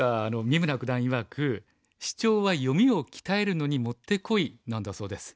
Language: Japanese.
三村九段いわくシチョウは読みを鍛えるのにもってこいなんだそうです。